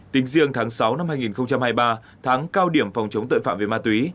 tính riêng tháng sáu năm hai nghìn hai mươi ba tháng cao điểm phòng chống tội phạm về ma túy